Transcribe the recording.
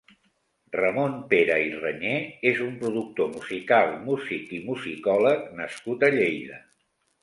Ramon Pera i Reñé és un productor musical, músic i musicòleg nascut a Lleida.